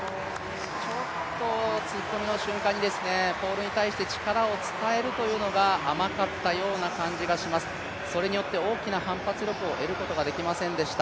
ちょっと突っ込みの瞬間に、ポールに対して力を伝えるというのが甘かったような感じがします、それによって大きな反発力を得ることができませんでした。